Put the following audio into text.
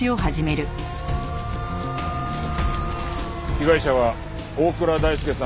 被害者は大倉大輔さん４２歳。